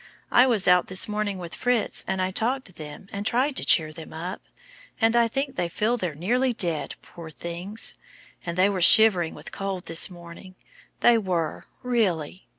I was out this morning with Fritz, and I talked to them and tried to cheer them up. And I think they feel they're nearly dead, poor things! and they were shivering with cold this morning; they were, really.